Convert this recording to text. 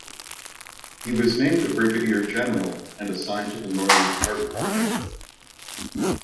He was named a brigadier general and assigned to the Northern Department.